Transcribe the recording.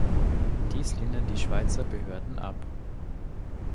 Dies lehnen die Schweizer Behörden ab.